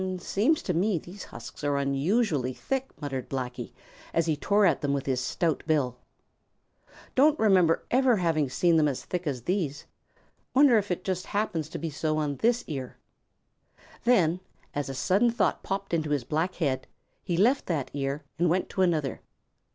"Seems to me these husks are unusually thick," muttered Blacky, as he tore at them with his stout bill. "Don't remember ever having seen them as thick as these. Wonder if it just happens to be so on this ear." Then, as a sudden thought popped into his black head, he left that ear and went to another.